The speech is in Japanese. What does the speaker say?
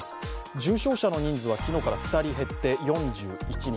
重症者の人数は昨日から２人減って４１人。